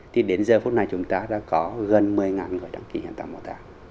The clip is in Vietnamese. thì đến giờ phút này chúng ta đã có gần một mươi người đăng ký hiến tạng mô tảm